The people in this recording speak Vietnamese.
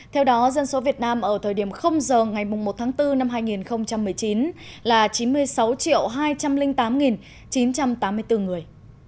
theo đó dân số việt nam ở thời điểm giờ ngày một tháng bốn năm hai nghìn một mươi chín là chín mươi sáu hai trăm linh tám chín trăm tám mươi bốn người